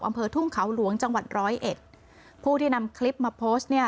อำเภอทุ่งเขาหลวงจังหวัดร้อยเอ็ดผู้ที่นำคลิปมาโพสต์เนี่ย